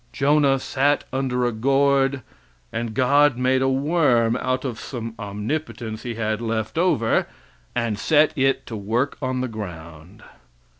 Jonah sat under a gourd, and God made a worm out of some omnipotence he had left over, and set it work on the ground.